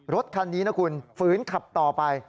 รถคันนี้นะคุณฝืนขับต่อไป